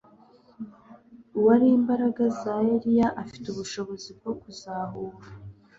Uwari imbaraga za Eliya afite ubushobozi bwo kuzahura